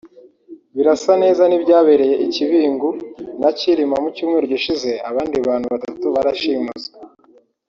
Birasa neza n’ibyabereye i Kibingu na Kirima mu cyumweru gishize abandi bantu batatu barashimuswe